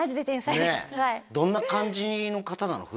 どんな感じの方なの？